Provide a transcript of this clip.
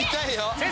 先生